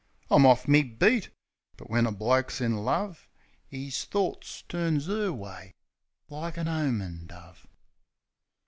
I'm off me beat. But when a bloke's in love 'Is thorts turns 'er way, like a 'omin' dove.